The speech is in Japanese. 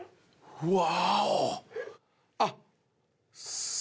うわ。